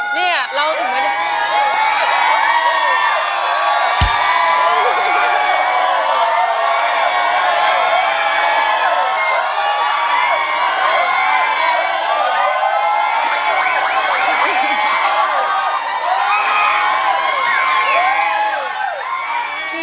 นี่อะเราถึงไหมเนี่ย